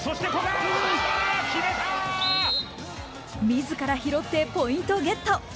自ら拾ってポイントゲット。